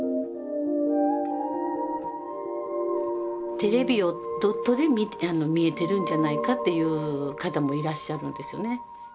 テレビをドットで見えてるんじゃないかって言う方もいらっしゃるんですよね。